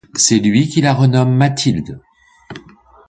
C'est lui qui la renomme Mathilde.